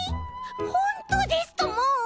ほんとうですとも！